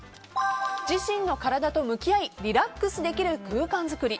自身の体と向き合いリラックスできる空間作り。